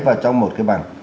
vào trong một cái bằng